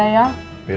rasanya beda ya